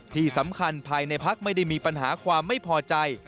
ภายในพักไม่ได้มีปัญหาความไม่พอใจ